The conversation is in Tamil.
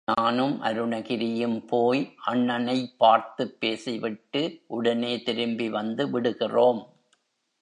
நானும் அருணகிரியும் போய் அண்ணனைப் பார்த்துப் பேசிவிட்டு உடனே திரும்பி வந்து விடுகிறோம்.